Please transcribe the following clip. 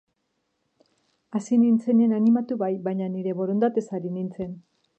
Hasi nintzenean animatu bai, baina nire borondatez ari nintzen.